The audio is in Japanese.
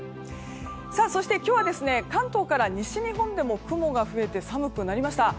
そして、今日は関東から西日本でも雲が増えて寒くなりました。